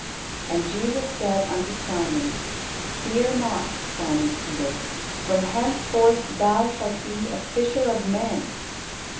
And Jesus said unto Simon, "Fear not, Simon Peter; from henceforth thou shalt be a fisher of men."